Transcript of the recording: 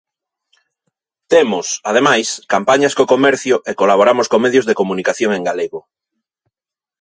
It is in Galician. Temos, ademais, campañas co comercio e colaboramos con medios de comunicación en galego.